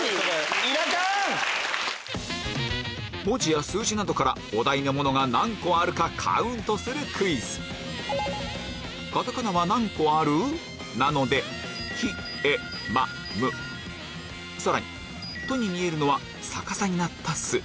文字や数字などからお題のものが何個あるかカウントするクイズさらに「と」に見えるのは逆さになった「ス」